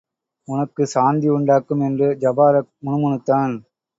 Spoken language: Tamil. உனக்கு சாந்தியுண்டாக்கும்! என்று ஜபாரக் முணுமுணுத்தான்.